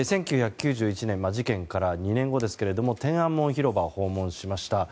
１９９１年事件から２年後ですけど天安門広場を訪問しました。